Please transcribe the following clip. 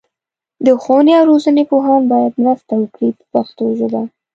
د ښوونې او روزنې پوهان باید مرسته وکړي په پښتو ژبه.